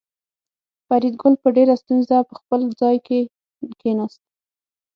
فریدګل په ډېره ستونزه په خپل ځای کې کېناست